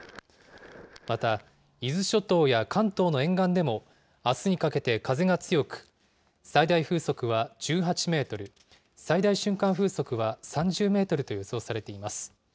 また、伊豆諸島や関東の沿岸でも、あすにかけて風が強く、最大風速は１８メートル、最大瞬間風速は３０メートルと予想されています。